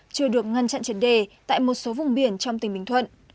chưa được ngăn chặn triệt đề tại một số vùng biển trong tỉnh bình thuận